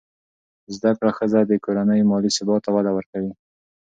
زده کړه ښځه د کورنۍ مالي ثبات ته وده ورکوي.